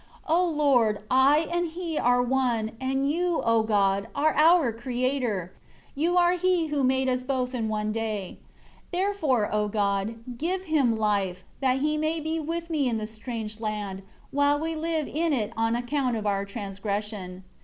11 O Lord, I and he are one, and You, O God, are our Creator, You are He who made us both in one day. 12 Therefore, O God, give him life, that he may be with me in this strange land, while we live in it on account of our transgression.